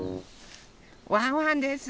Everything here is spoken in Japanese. ワンワンです。